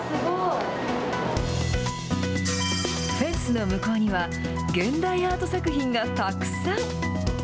フェンスの向こうには、現代アート作品がたくさん。